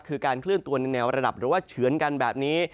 คือการเคลื่อนตัวในแนวระดับหรือว่าเฉือนกันแบบนี้